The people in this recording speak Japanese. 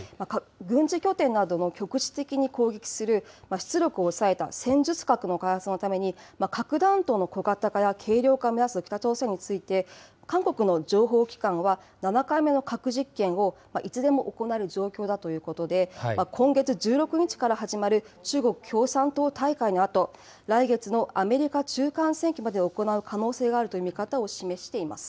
軍事拠点などの局地的に攻撃する、出力を抑えた戦術核の開発のために、核弾頭の小型化や軽量化を目指す北朝鮮について、韓国の情報機関は、７回目の核実験をいつでも行える状況だということで、今月１６日から始まる中国共産党大会のあと、来月のアメリカ中間選挙までに行う可能性があるという見方を示しています。